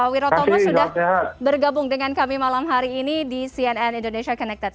wirotomo sudah bergabung dengan kami malam hari ini di cnn indonesia connected